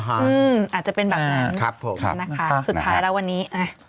อาจจะเป็นแบบนั้นสุดท้ายแล้ววันนี้